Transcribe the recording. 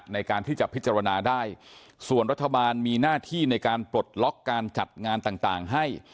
ในการที่จะพิจารณาได้ส่วนรัฐบาลมีหน้าที่ในการปลดล็อกการจัดงานต่างให้